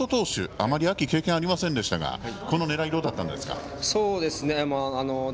あまり秋経験がありませんがこの狙いはどうだったんですか？